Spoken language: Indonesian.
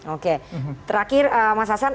oke terakhir mas hasan